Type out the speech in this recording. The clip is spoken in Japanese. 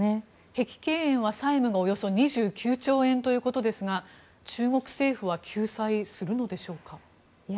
碧桂園は債務がおよそ２９兆円ということですが中国政府は救済するのでしょうか？